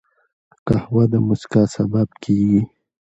قهوه د مسکا سبب کېږي